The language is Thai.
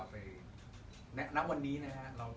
ณวันนี้นะครับ